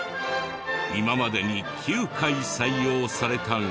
今までに９回採用されたが。